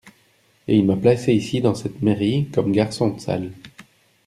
Et il m’a placé ici, dans cette mairie, comme garçon de salle.